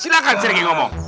silahkan sergei ngomong